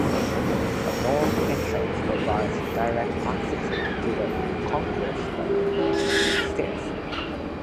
The north entrance provides direct access to the concourse level only with stairs.